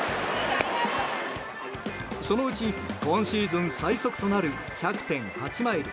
そのうち今シーズン最速となる１００．８マイル